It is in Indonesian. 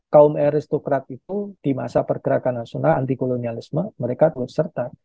kaum aristokrat itu di masa pergerakan nasional anti kolonialisme mereka berserta